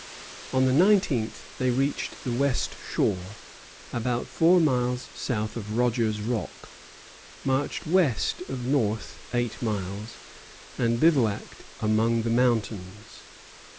On the nineteenth they reached the west shore, about four miles south of Rogers Rock, marched west of north eight miles, and bivouacked among the mountains.